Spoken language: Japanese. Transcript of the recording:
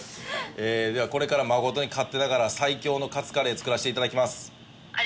ではこれから誠に勝手ながら最強のカツカレー作らせて頂きます。